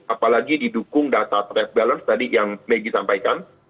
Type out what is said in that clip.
apalagi didukung data trade balance tadi yang maggie sampaikan